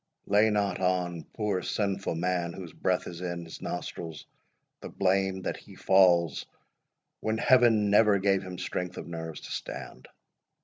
—Lay not on poor sinful man, whose breath is in, his nostrils, the blame that he falls, when Heaven never gave him strength of nerves to stand!